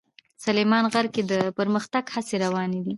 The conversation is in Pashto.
سلیمان غر کې د پرمختګ هڅې روانې دي.